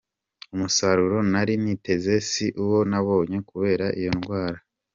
Umusaruro nari niteze si wo nabonye kubera iyo ndwara.